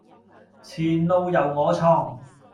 前路由我創